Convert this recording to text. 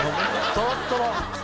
とろっとろ？